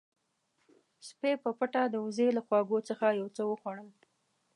سپی په پټه د وزې له خواږو څخه یو څه وخوړل.